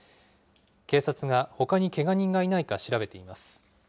警察がほかにけが人がいないか調べています。